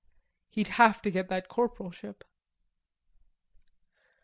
He'd have to get that corporalship.